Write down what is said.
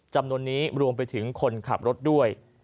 จำนวนนี้รวมไปถึงคนขับรถด้วย